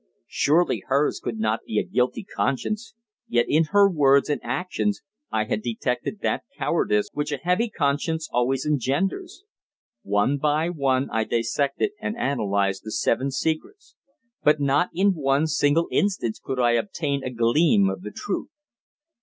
Surely hers could not be a guilty conscience. Yet, in her words and actions I had detected that cowardice which a heavy conscience always engenders. One by one I dissected and analysed the Seven Secrets, but not in one single instance could I obtain a gleam of the truth.